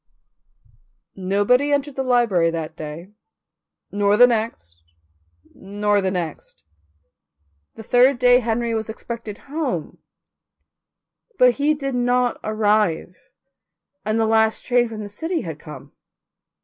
Nobody entered the library that day, nor the next, nor the next. The third day Henry was expected home, but he did not arrive and the last train from the city had come.